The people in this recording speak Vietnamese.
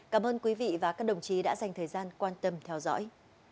cảm ơn quý vị và các đồng chí đã dành thời gian quan tâm theo dõi